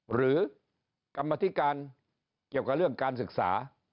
หรือกรรมธิการเกี่ยวกับเรื่องการศึกษา